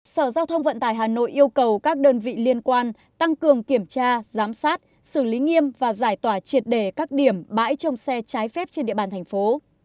sở giao thông vận tải hà nội yêu cầu các đơn vị liên quan tăng cường kiểm tra giám sát xử lý nghiêm và giải tỏa triệt đề các điểm bãi trồng xe trái phép trên địa bàn thành phố